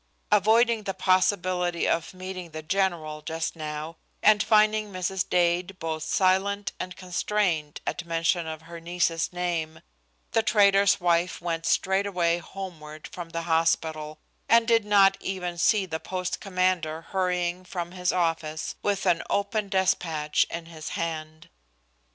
Avoiding the possibility of meeting the general just now, and finding Mrs. Dade both silent and constrained at mention of her niece's name, the trader's wife went straightway homeward from the hospital, and did not even see the post commander hurrying from his office, with an open despatch in his hand.